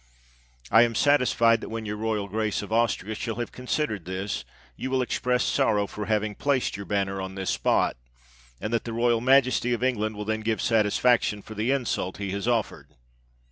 I am satisfied, that when your royal grace of Austria shall have considered this, you will express sorrow for hav ing placed your banner on this spot, and that the royal Majesty of England will then give satisfaction for the insult he has offered."